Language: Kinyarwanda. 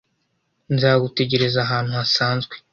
nzagutegereza ahantu hasanzwe